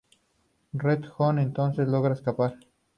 Red Hood entonces logra escapar.